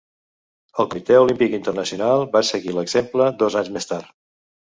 El Comitè Olímpic Internacional va seguir l'exemple dos anys més tard.